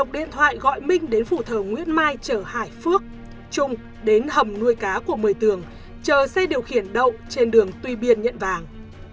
đến phủ thờ nguyễn mai chở hải phước trung đến hầm nuôi cá của mười tường chờ xe điều khiển đậu trên đường tuy biên nhận vàng